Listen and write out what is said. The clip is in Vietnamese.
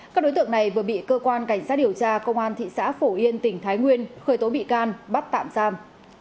các đối tượng này vừa bị cơ quan cảnh sát điều tra công an thị xã phổ yên tỉnh thái nguyên khởi tố bị can bắt tạm giam